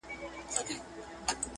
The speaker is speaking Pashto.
د دې وطن د هر يو گل سره کي بد کړې وي.